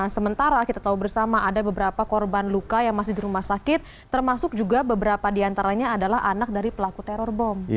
sementara kita tahu bersama ada beberapa korban luka yang masih di rumah sakit termasuk juga beberapa diantaranya adalah anak dari pelaku teror bom